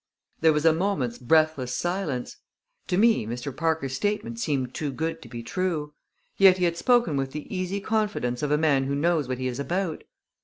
There was a moment's breathless silence. To me Mr. Parker's statement seemed too good to be true; yet he had spoken with the easy confidence of a man who knows what he is about.